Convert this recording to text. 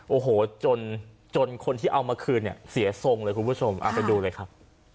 โอ้โหจนจนคนที่เอามาคืนเนี่ยเสียทรงเลยคุณผู้ชมเอาไปดูเลยครับ